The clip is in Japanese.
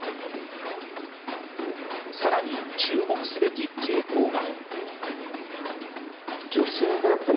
さらに、注目すべき傾向が。